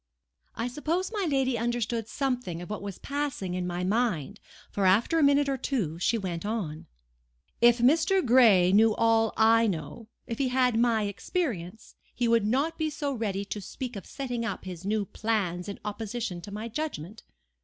I suppose my lady understood something of what was passing in my mind; for, after a minute or two, she went on:— "If Mr. Gray knew all I know,—if he had my experience, he would not be so ready to speak of setting up his new plans in opposition to my judgment.